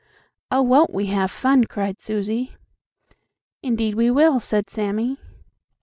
"Oh, won't we have fun!" cried Susie. "Indeed we will!" said Sammie.